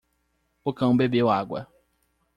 O cão bebeu água.